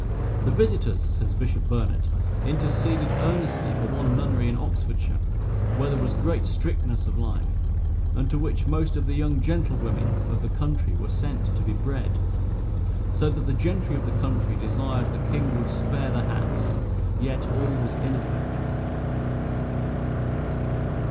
"The visitors," says Bishop Burnet, "interceded earnestly for one nunnery in Oxfordshire, where there was great strictness of life, and to which most of the young gentlewomen of the country were sent to be bred; so that the gentry of the country desired the king would spare the house: yet all was ineffectual."